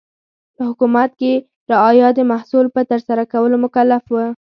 په حکومت کې رعایا د محصول په ترسره کولو مکلف و.